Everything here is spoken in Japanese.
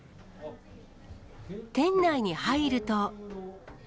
店内に入ると。